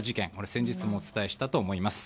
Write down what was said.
先日もお伝えしたと思います。